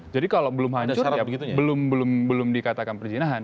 jadi kalau belum hancur ya belum dikatakan perjinahan